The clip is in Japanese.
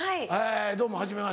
どうもはじめまして。